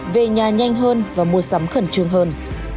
về nhà nhanh hơn và mua sắm khẩn trương hơn